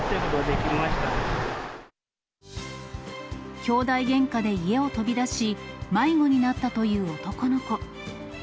きょうだいげんかで家を飛び出し、迷子になったという男の子。